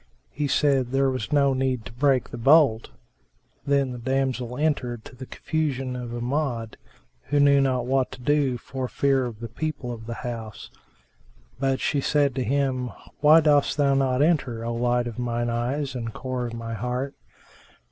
He said, "There was no need to break the bolt." Then the damsel entered, to the confusion of Amjad, who knew not what to do for fear of the people of the house; but she said to him, "Why dost thou not enter, O light of mine eyes and core of my heart?"